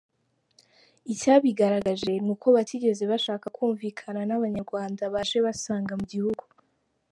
Icyabigaragaje, ni uko batigeze bashaka kwumvikana n’abanyarwanda baje basanga mu gihugu!